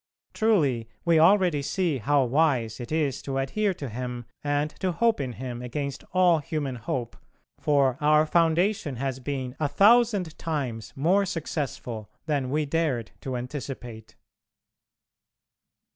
Truly we already see how wise it is to adhere to Him and to hope in Him against all human hope, for our foundation has been a thousand times more successful than we dared to anticipate.